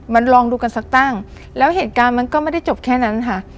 มันลองดูกันสักตั้งแล้วเหตุการณ์มันก็ไม่ได้จบแค่นั้นค่ะ